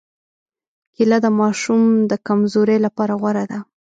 کېله د ماشو د کمزورۍ لپاره غوره ده.